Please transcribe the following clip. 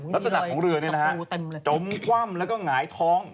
ลักษณะของเรือจมคว่ำแล้วก็หงายท้อง